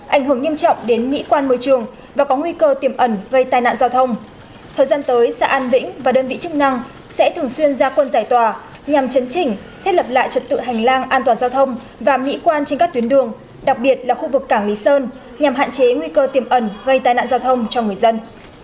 ảnh hưởng nghiêm trọng đến mỹ quan môi trường và có nguy cơ tiềm ẩn gây tai nạn giao thông thời gian tới xã an vĩnh và đơn vị chức năng sẽ thường xuyên ra quân giải tòa nhằm chấn chỉnh thiết lập lại trật tự hành lang an toàn giao thông và mỹ quan trên các tuyến đường đặc biệt là khu vực cảng lý sơn nhằm hạn chế nguy cơ tiềm ẩn gây tai nạn giao thông cho người dân